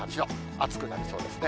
暑くなりそうですね。